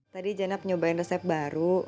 tadi janab nyobain resep baru